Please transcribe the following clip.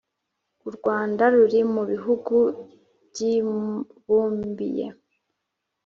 U Rwanda ruri mu bihugu byibumbiye